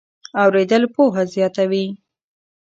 اورېدل پوهه زیاتوي.